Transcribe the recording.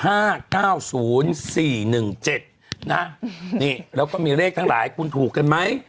ห้าเก้าศูนย์สี่หนึ่งเจ็ดนะนี่แล้วก็มีเลขทั้งหลายคุณถูกกันไหม